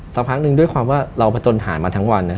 สักพักหนึ่งด้วยความว่าเราผจญหายมาทั้งวัน